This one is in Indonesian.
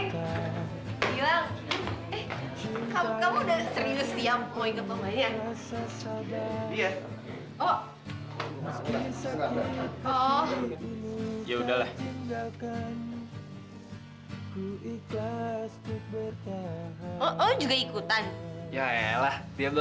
kok pada bubar jangan pergi